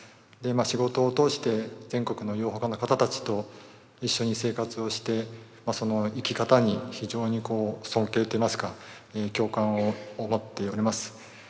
仕事を通して全国の養蜂家の方たちと一緒に生活をしてその生き方に非常にこう尊敬といいますか共感を持っております。